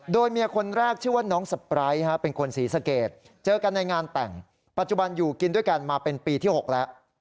โดยเมียคนแรกชื่อว่าน้องสปร้ายเป็นคนศรีสเกตเจอกันในงานแต่งปัจจุบันอยู่กินด้วยกันมาเป็นปีที่๖แล้ว